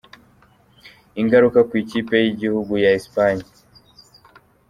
Ingaruka ku ikipe y’igihugu ya Espagne.